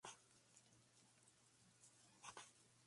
Esto provocó problemas de hacinamiento urbano.